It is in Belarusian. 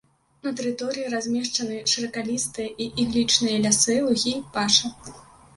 На тэрыторыі размешчаны шыракалістыя і іглічныя лясы, лугі, пашы.